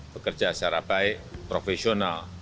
bekerja secara baik profesional